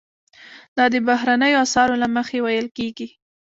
دا د بهرنیو اسعارو له مخې ویل کیږي.